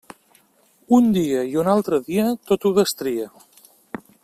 Un dia i un altre dia, tot ho destria.